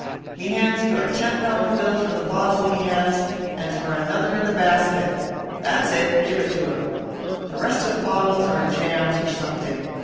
He hands you a ten dollar bill for the bottle he has and for another in the basket that's it, give it to him. The rest of the bottles are jams or something.